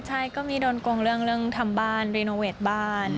ใช่ก็มีโดนโกงเรื่องทำบ้านรีโนเวทบ้าน